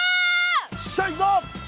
よっしゃ行くぞ！